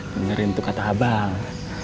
dengerin tuh kata abang